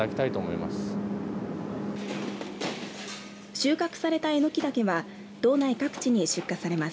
収穫されたエノキダケは道内各地に出荷されます。